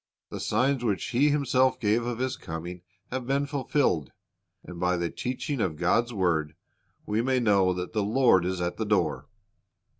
The signs which He Himself gave of His coming have been fulfilled, and by the teaching of God's word we ma}^ know that the Lord is at the door.